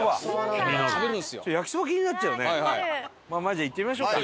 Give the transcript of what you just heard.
じゃあ行ってみましょうか。